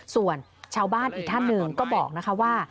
ส่วนชาวบ้านอีกท่านหนึ่งก็บอกนะคะว่า